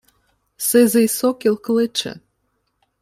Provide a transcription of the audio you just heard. Сизий сокіл кличе